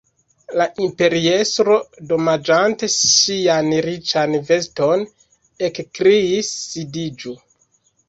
La imperiestro, domaĝante ŝian riĉan veston, ekkriis: "sidiĝu! »